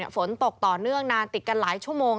ฝนตกต่อเนื่องนานติดกันหลายชั่วโมง